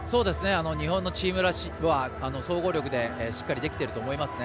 日本のチームらしい総合力でしっかりできていると思いますね。